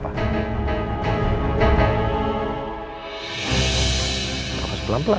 pelan pelan terjatuh ke aku ibu mau ke mana